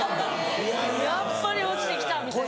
やっぱり落ちてきたみたいな。